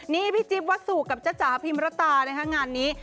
นี่พี่จิ๊บวัสสุกับจ๊ะจ๋าพิมรตานะคะงานนี้